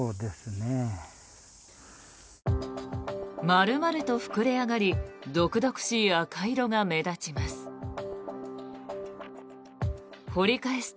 丸々と膨れ上がり毒々しい赤色が目立ちます。